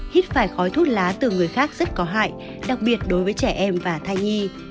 hít phải khói thuốc lá từ người khác rất có hại đặc biệt đối với trẻ em và thai nhi